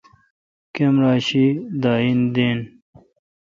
کمرا شی داین دین۔